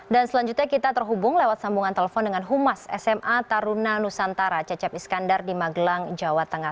dan selanjutnya kita terhubung lewat sambungan telepon dengan humas sma taruna nusantara cecep iskandar di magelang jawa tengah